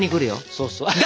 そうそう。